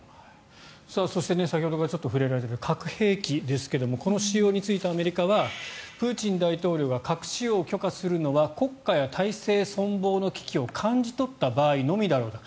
そして先ほどから触れられている核兵器ですがこの使用についてアメリカはプーチン大統領が核使用を許可するのは国家や体制存亡の危機を感じ取った場合のみだろう